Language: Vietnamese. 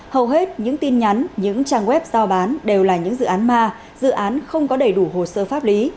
hầu hết những tin nhắn những trang web giao bán đều là những dự án ma dự án không có đầy đủ hồ sơ pháp lý